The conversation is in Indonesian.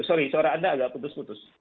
jadi suara anda agak putus putus